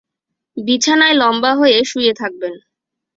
বিছানায় লম্বা হয়ে শুয়ে থাকবেন।